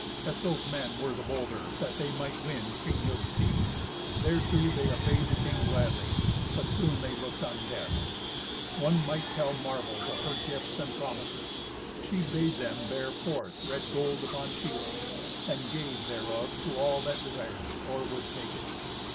Etzel's men were the bolder, that they might win Kriemhild's fee. Thereto, they obeyed the king gladly; but soon they looked on death. One might tell marvels of her gifts and promises. She bade them bear forth red gold upon shields, and gave thereof to all that desired it, or would take it.